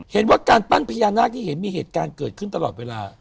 เห็นว่าการปั้นพญานาคที่เห็นมีเหตุการณ์เกิดขึ้นตลอดเวลา